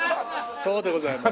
そうでございます。